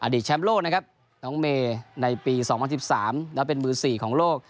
แชมป์โลกนะครับน้องเมย์ในปี๒๐๑๓แล้วเป็นมือ๔ของโลก